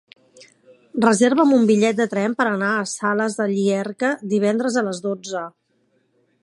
Reserva'm un bitllet de tren per anar a Sales de Llierca divendres a les dotze.